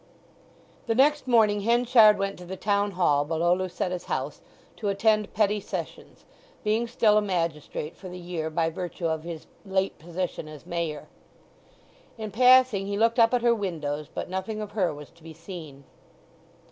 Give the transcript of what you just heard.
The next morning Henchard went to the Town Hall below Lucetta's house, to attend Petty Sessions, being still a magistrate for the year by virtue of his late position as Mayor. In passing he looked up at her windows, but nothing of her was to be seen.